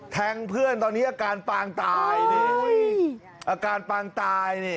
แทงเพื่อนตอนนี้อาการปางตายนี่อาการปางตายนี่